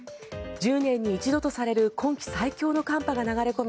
１０年に一度とされる今季最強の寒波が流れ込み